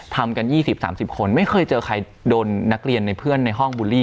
ทำกัน๒๐๓๐คนไม่เคยเจอใครโดนนักเรียนในเพื่อนในห้องบูลลี่